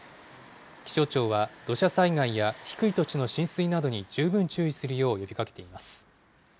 気象庁は、土砂災害や低い土地の浸水などに十分注意するよう呼びかけています。